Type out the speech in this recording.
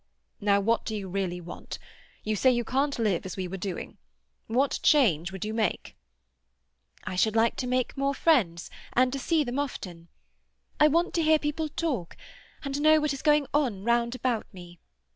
"Now, what do you really want? You say you can't live as we were doing. What change would you make?" "I should like to make more friends, and to see them often. I want to hear people talk, and know what is going on round about me.